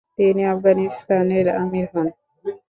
তিনি আফগানিস্তানের আমির হন।